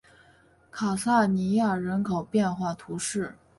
卡萨尼亚人口变化图示